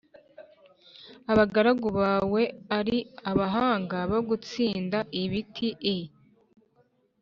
abagaragu bawe ari abahanga bo gutsinda ibiti i